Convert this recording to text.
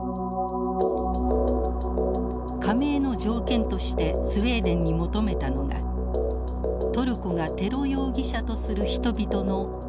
加盟の条件としてスウェーデンに求めたのがトルコがテロ容疑者とする人々の引き渡し。